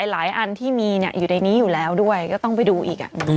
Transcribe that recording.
อันที่มีอยู่ในนี้อยู่แล้วด้วยก็ต้องไปดูอีก